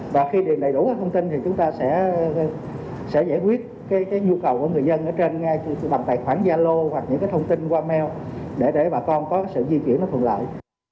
và khi điện đầy đủ các thông tin thì chúng ta sẽ giải quyết cái nhu cầu của người dân ở trên bằng tài khoản gia lô hoặc những cái thông tin qua mail để để bà con có sự di chuyển nó thuận lợi